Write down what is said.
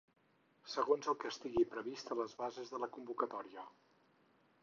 Segons el que estigui previst en les bases de la convocatòria.